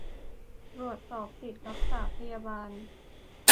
ตรวจสอบสิทธิรักษาพยาบาล